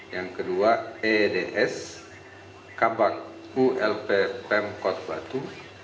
yang kedua eds kabak ulp pemkot batu